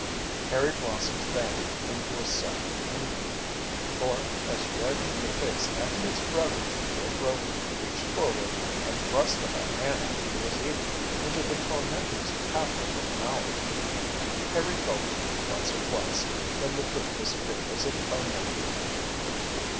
Harry Blossom's banter came to a sudden ending, for, as red in the face as his brother, Dick Rover reached forward and thrust a banana he was eating into the tormenter's half open mouth. Harry gulped once or twice, then the fruit disappeared as if by magic.